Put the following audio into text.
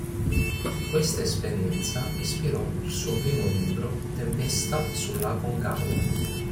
Questa esperienza ispirò il suo primo libro "Tempesta sull'Aconcagua".